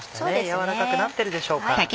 軟らかくなってるでしょうか？